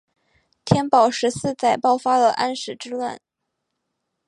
天宝十四载爆发了安史之乱。